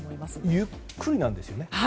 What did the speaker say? ゆっくりなんですよね。